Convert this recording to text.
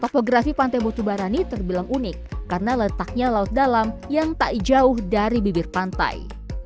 topografi pantai mutubarani terbilang unik karena letaknya laut dalam yang tak jauh dari bibir pantai